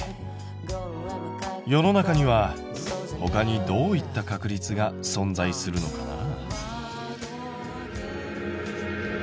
世の中にはほかにどういった確率が存在するのかな？